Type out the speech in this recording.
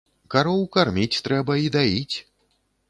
Кароў карміць трэба і даіць.